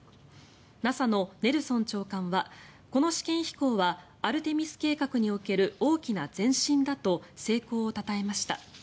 ＮＡＳＡのネルソン長官はこの試験飛行はアルテミス計画における大きな前進だと成功をたたえました。